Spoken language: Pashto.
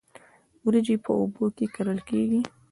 وریجې په اوبو کې کرل کیږي